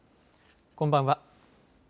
こんばんは。